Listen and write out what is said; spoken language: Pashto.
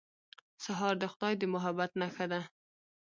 سهار د خدای د محبت نښه ده.